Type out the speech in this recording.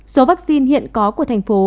số vaccine hiện có của thành phố